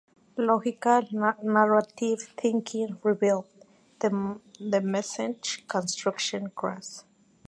Logical-narrative thinking revealed: The message construction cross.